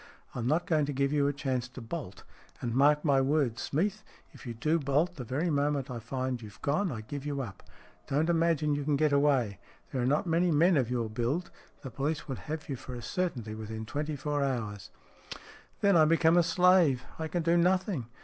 I'm not going to give you a chance to bolt. And mark my words, Smeath, if you do bolt, the very moment I find you've gone I give you up. Don't imagine you can get away. There are not many men of your build. The police would have you for a certainty within twenty four hours." " Then I become a slave ; I can do nothing.